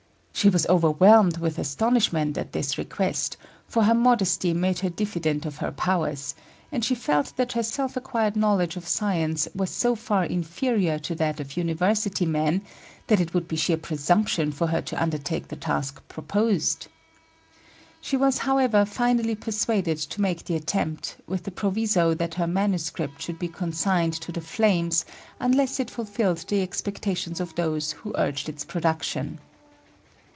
She was overwhelmed with astonishment at this request, for her modesty made her diffident of her powers; and she felt that her self acquired knowledge of science was so far inferior to that of university men that it would be sheer presumption for her to undertake the task proposed to her. She was, however, finally persuaded to make the attempt, with the proviso that her manuscript should be consigned to the flames unless it fulfilled the expectations of those who urged its production.